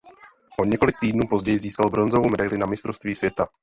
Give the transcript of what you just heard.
O několik týdnů později získal bronzovou medaili na Mistrovství světa.